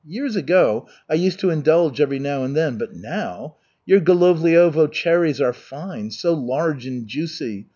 Years ago I used to indulge every now and then, but now ! Your Golovliovo cherries are fine, so large and juicy.